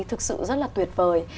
thực sự rất là tuyệt vời